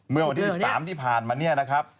เมื่อวันที่๑๓ที่ผ่านมา